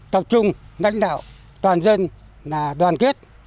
tập trung đánh đạo toàn dân là đoàn kết